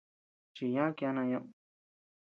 Chiñá kiana ñeʼed.